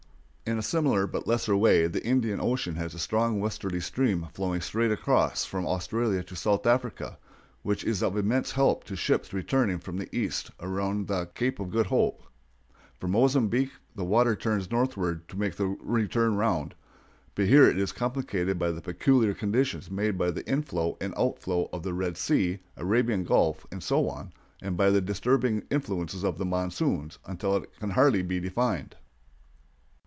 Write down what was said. In a similar but lesser way the Indian Ocean has a strong westerly stream flowing straight across from Australia to South Africa, which is of immense help to ships returning from the East around the Cape of Good Hope. From Mozambique the water turns northward to make the return round, but here it is complicated by the peculiar conditions made by the inflow and outflow of the Red Sea, Arabian Gulf, and so on, and by the disturbing influences of the monsoons, until it can hardly be defined.